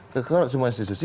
ke semua institusi